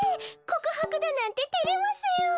こくはくだなんててれますよ。